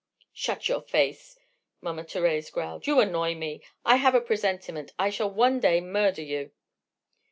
"Shut your face!" Mama Thérèse growled. "You annoy me. I have a presentiment I shall one day murder you."